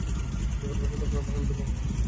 তিনি গুটিবসন্তে আক্রান্ত হয়ে মৃত্যুবরণ করেন।